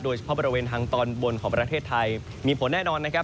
บริเวณทางตอนบนของประเทศไทยมีผลแน่นอนนะครับ